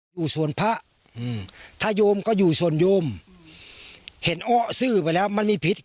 อยู่ส่วนพระอืมถ้าโยมก็อยู่ส่วนโยมเห็นอ้อซื่อไปแล้วมันมีพิษ